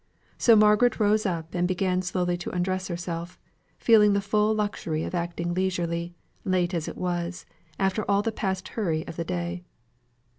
So Margaret rose up and began slowly to undress herself, feeling the full luxury of acting leisurely, late as it was, after all the past hurry of the day.